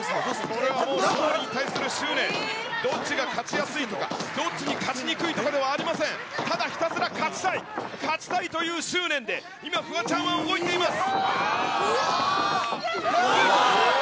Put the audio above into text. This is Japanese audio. これはもう勝利に対する執念、どっちが勝ちやすいとか、どっちに勝ちにくいとかではありません、ただひたすら勝ちたい、勝ちたいという執念で、今、フワちゃんは動いています。